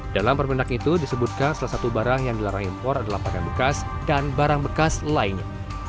dalam permendak itu disebutkan salah satu barang yang dilarang impor adalah pakaian bekas dan barang bekas lainnya